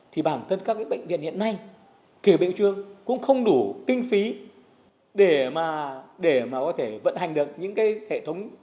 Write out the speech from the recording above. thì bản thân các bệnh viện hiện nay kỳ bệnh trường cũng không đủ kinh phí để mà có thể vận hành được những cái hệ thống